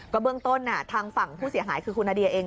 เบื้องต้นทางฝั่งผู้เสียหายคือคุณนาเดียเอง